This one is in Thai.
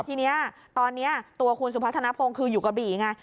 ทีนี้ตอนนี้ตัวคุณสุพัฒนภงคืออยู่กระบี่ไง